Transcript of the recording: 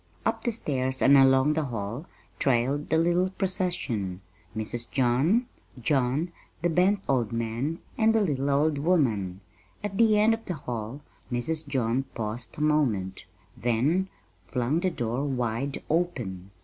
Up the stairs and along the hall trailed the little procession Mrs. John, John, the bent old man, and the little old woman. At the end of the hall Mrs. John paused a moment, then flung the door wide open.